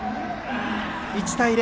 １対０